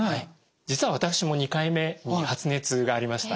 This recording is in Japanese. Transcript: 実は私も２回目に発熱がありました。